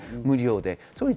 無料です。